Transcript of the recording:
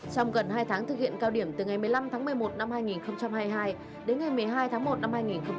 trong gần hai tháng thực hiện cao điểm từ ngày một mươi năm tháng một mươi một năm hai nghìn hai mươi hai đến ngày một mươi hai tháng một năm hai nghìn hai mươi bốn